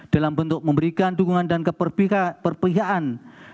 dalam bentuk memberikan dukungan dan keperpihakan